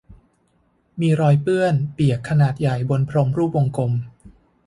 มีรอยเปื้อนเปียกขนาดใหญ่บนพรมรูปวงกลม